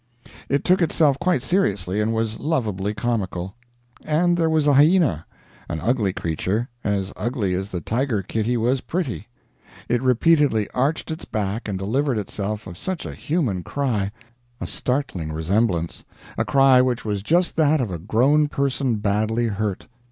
It took itself quite seriously, and was lovably comical. And there was a hyena an ugly creature; as ugly as the tiger kitty was pretty. It repeatedly arched its back and delivered itself of such a human cry; a startling resemblance; a cry which was just that of a grown person badly hurt.